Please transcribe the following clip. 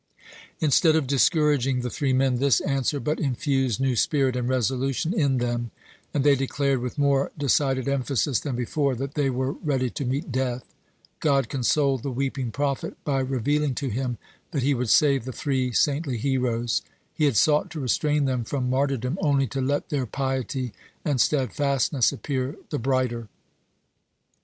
Instead of discouraging the three men, this answer but infused new spirit and resolution in them, and they declared with more decided emphasis than before, that they were ready to meet death. God consoled the weeping prophet by revealing to him, that He would save the three saintly heroes. He had sought to restrain them from martyrdom only to let their piety and steadfastness appear the brighter.